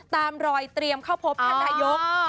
ตามรอยเตรียมเข้าพบท่านนายก